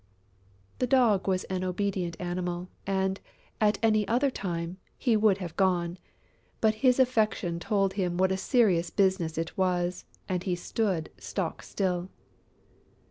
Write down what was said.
The Dog was an obedient animal and, at any other time, he would have gone; but his affection told him what a serious business it was and he stood stock still.